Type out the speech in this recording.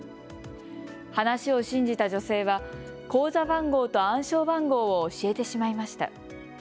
話を信じた女性は口座番号と暗証番号を教えてしまいました。